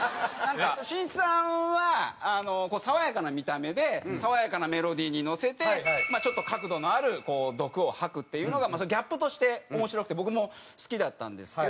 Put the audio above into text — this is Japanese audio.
しんいちさんは爽やかな見た目で爽やかなメロディーに乗せてちょっと角度のある毒を吐くっていうのがギャップとして面白くて僕も好きだったんですけど。